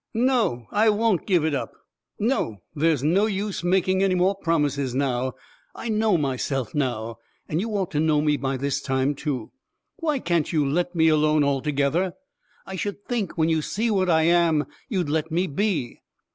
No, I won't give it up. No, there's no use making any more promises now. I know myself now. And you ought to know me by this time, too. Why can't you let me alone altogether? I should think, when you see what I am, you'd let me be.